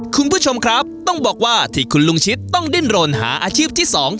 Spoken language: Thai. คุณผู้ชมครับต้องบอกว่าที่คุณลุงชิดต้องดิ้นรนหาอาชีพที่๒